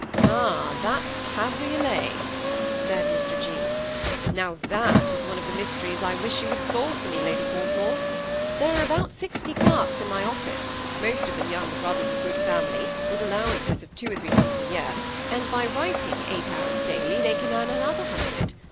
^ Ah ! that cabriolet," said Mr. 6. ;^ now that is one of the mysteries I wish you would solve for me, Lady Fortmore. There are about sixty clerks in my office, most of them younger brothers of good family, with allowances of two or three hundred a year ; and by writing eight hours daily, they earn another hundred.